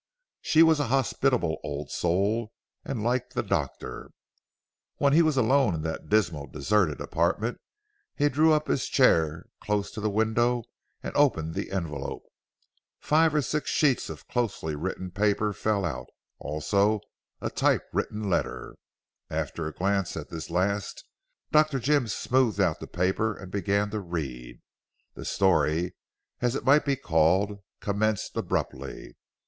She was a hospitable old soul, and liked the doctor. When he was alone in that dismal, deserted, apartment, he drew up his chair close to the window and opened the envelope. Five or six sheets of closely written paper fell out; also a typewritten letter. After a glance at this last, Dr. Jim smoothed out the paper and began to read. The story as it might be called commenced abruptly.